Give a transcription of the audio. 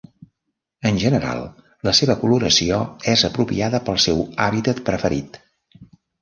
En general, la seva coloració és apropiada pel seu hàbitat preferit.